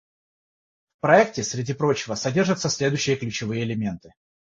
В проекте, среди прочего, содержатся следующие ключевые элементы.